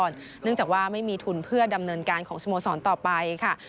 เนื่องจากว่าไม่มีทุนเพื่อดำเนินการของสโมสรต่อไปค่ะ